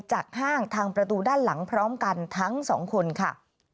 ห้างทางประตูด้านหลังพร้อมกันทั้งสองคนค่ะ